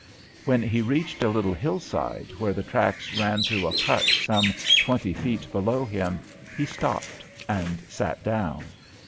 When he reached a little hillside, where the tracks ran through a cut some twenty feet below him, he stopped and sat down.